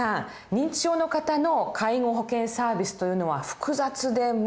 認知症の方の介護保険サービスというのは複雑で難しそうですよね。